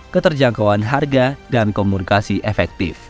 keterjangkauan harga dan komunikasi efektif